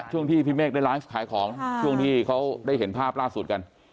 ช่วงที่พี่เมฆได้ไลฟ์ขายของช่วงที่เขาได้เห็นภาพล่าสุดกัน